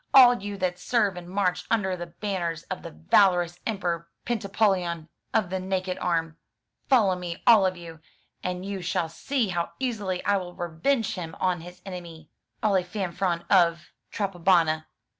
all you that serve and march under the banners of the valorous Emperor Penta polin of the naked arm; follow me, all of you, and you shall see how easily I will revenge him on his enemy, Alifamfaron of Trapobana.